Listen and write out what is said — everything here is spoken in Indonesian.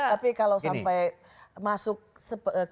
tapi kalau sampai masuk ke